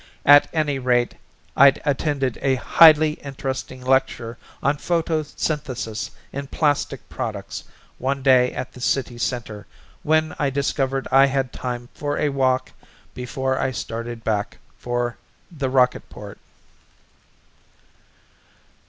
At any rate, I'd attended a highly interesting lecture on Photosynthesis in Plastic Products one night at the City Center when I discovered I had time for a walk before I started back for the rocketport."